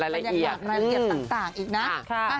มันยังหวานละเอียดต่างอีกนะ